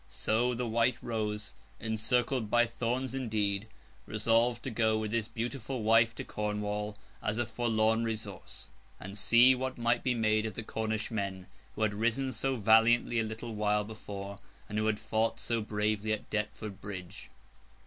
So, the White Rose—encircled by thorns indeed—resolved to go with his beautiful wife to Cornwall as a forlorn resource, and see what might be made of the Cornish men, who had risen so valiantly a little while before, and who had fought so bravely at Deptford Bridge.